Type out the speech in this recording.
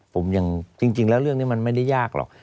ผมอย่างจริงแล้วเรื่องนี้มันไม่ได้ยากหรอก